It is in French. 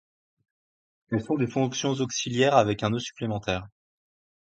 Elles sont des fonctions auxiliaires avec un nœud supplémentaire.